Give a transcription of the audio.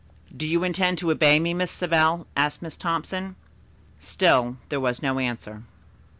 "Do you intend to obey me, Miss Savell?" asked Miss Thompson. Still there was no answer.